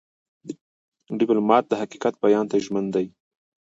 ډيپلومات د حقیقت بیان ته ژمن دی.